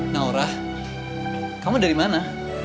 naurah kamu dari mana